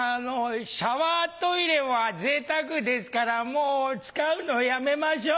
シャワートイレは贅沢ですからもう使うのやめましょう。